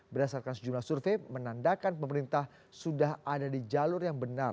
berdasarkan sejumlah survei menandakan pemerintah sudah ada di jalur yang benar